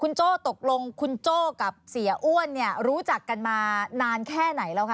โจ้ตกลงคุณโจ้กับเสียอ้วนเนี่ยรู้จักกันมานานแค่ไหนแล้วคะ